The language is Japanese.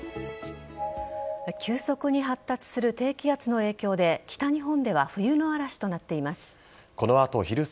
急速に発達する低気圧の影響で北日本では冬の嵐となっています。